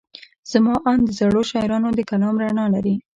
زما اند د زړو شاعرانو د کلام رڼا لري.